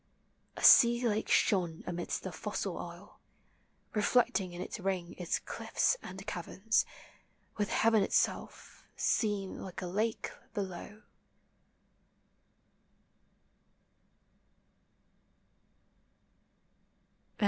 A sea lake shone amidst the fossil isle, Reflecting in a ring its cliffs and caverns, With heaven itself seen like a lake below.